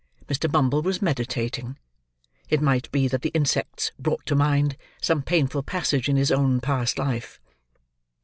Mr. Bumble was meditating; it might be that the insects brought to mind, some painful passage in his own past life.